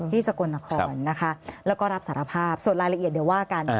สกลนครนะคะแล้วก็รับสารภาพส่วนรายละเอียดเดี๋ยวว่ากัน